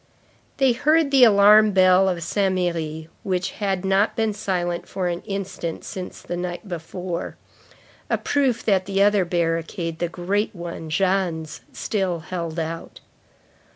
They heard the alarm bell of Saint Merry, which had not been silent for an instant since the night before; a proof that the other barricade, the great one, Jeanne's, still held out.